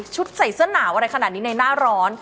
ใส่เสื้อหนาวอะไรขนาดนี้ในหน้าร้อน